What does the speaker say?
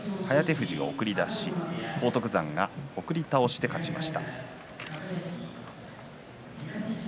富士が送り出しそして荒篤山が送り倒しで勝っています。